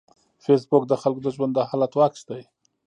فېسبوک د خلکو د ژوند د حالاتو عکس دی